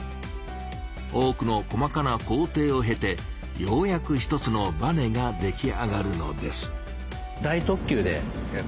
多くの細かな工程をへてようやく一つのバネが出来上がるのです。